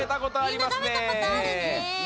みんなたべたことあるね！